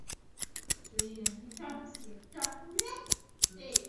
隐缘立灯藓为提灯藓科立灯藓属下的一个种。